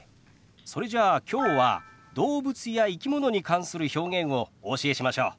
それじゃあきょうは動物や生き物に関する表現をお教えしましょう。